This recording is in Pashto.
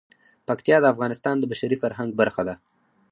پکتیا د افغانستان د بشري فرهنګ برخه ده.